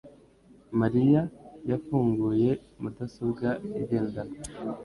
mariya yafunguye mudasobwa igendanwa